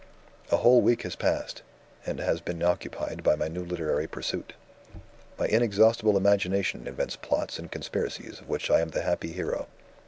"A whole week has passed and has been occupied by my new literary pursuit. "My inexhaustible imagination invents plots and conspiracies of which I am the happy hero.